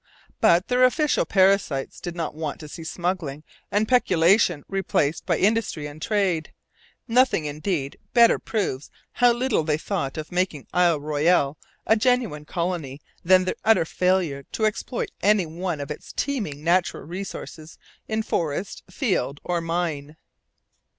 But their official parasites did not want to see smuggling and peculation replaced by industry and trade. Nothing, indeed, better proves how little they thought of making Ile Royale a genuine colony than their utter failure to exploit any one of its teeming natural resources in forest, field, or mine.